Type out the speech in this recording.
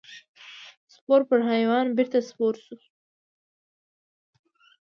سپور پر حیوان بېرته سپور شو.